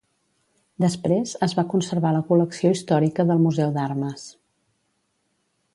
Després, es va conservar la col·lecció històrica del museu d'armes.